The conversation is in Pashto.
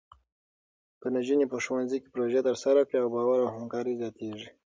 که نجونې په ښوونځي کې پروژې ترسره کړي، باور او همکاري زیاتېږي.